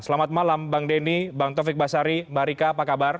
selamat malam bang denny bang taufik basari mbak rika apa kabar